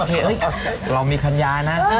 เฮ่ยเรามีทันยานะ